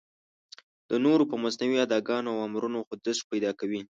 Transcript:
د نورو په مصنوعي اداګانو او امرونو خوځښت پیدا کوي.